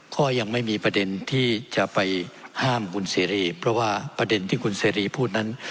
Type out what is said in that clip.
ก็ยังไม่มีประเด็นที่จะไปห้ามคุณเสรีเพราะว่าประเด็นที่คุณเสรีพูดนั้น